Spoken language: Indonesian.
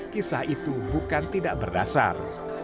kisah itu bukan tidak berdasar